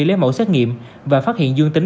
lấy mẫu xét nghiệm và phát hiện dương tính